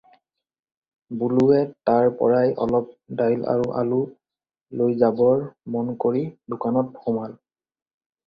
বলোৱে তাৰ পৰাই অলপ ডাইল আৰু আলু লৈ যাবৰ মন কৰি দোকানত সোমাল।